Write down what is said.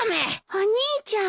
お兄ちゃん。